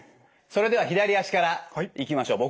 それでは左足からいきましょう。